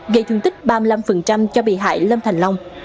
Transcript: gây thương tích ba mươi năm cho bị hại lâm thành long